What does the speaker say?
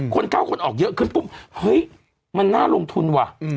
คนเข้าคนออกเยอะขึ้นปุ๊บเฮ้ยมันน่าลงทุนว่ะ